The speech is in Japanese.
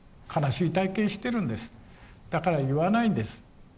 だから言わないんです。